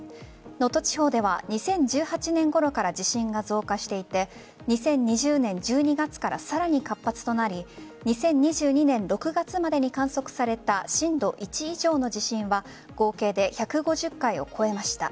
能登地方では２０１８年ごろから地震が増加していて２０２０年１２月からさらに活発となり２０２２年６月までに観測された震度１以上の地震は合計で１５０回を超えました。